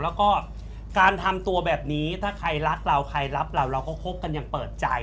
แล้วก็การทำตัวแบบนี้ถ้าใครรักเราใครรักเราเราก็คบกันอย่างเปิดใจ